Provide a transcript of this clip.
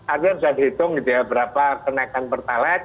artinya bisa dihitung berapa kenaikan pertalite